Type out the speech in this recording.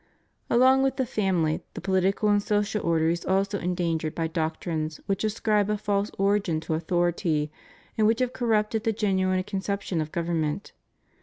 Along with the family, the political and social order is also endangered by doctrines which ascribe a false origin to authority, and which have corrupted the genuine conception of government.